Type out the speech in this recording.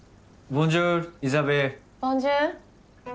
「ボンジュール」